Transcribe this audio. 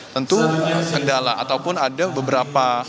tentu kendala ataupun ada beberapa